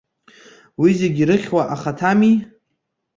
Уи зегь ирыхьуа ахаҭами.